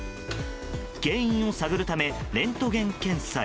原因を探るためレントゲン検査へ。